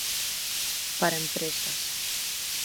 Para empresas.